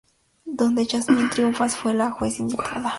Donde Jasmine Trias fue la juez invitada.